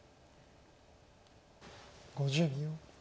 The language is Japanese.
５０秒。